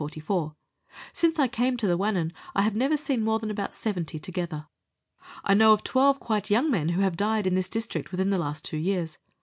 Since I came to the Wannon I have never seen more than about 70 together. I know of 12 quite young men who have died in this district within the last two years.